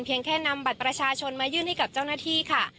แค่นำบัตรประชาชนมายื่นให้กับเจ้าหน้าที่ค่ะ